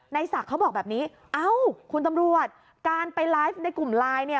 ศักดิ์เขาบอกแบบนี้เอ้าคุณตำรวจการไปไลฟ์ในกลุ่มไลน์เนี่ย